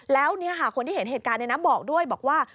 แล้วคนที่เห็นเหตุการณ์บอกด้วยบอกว่า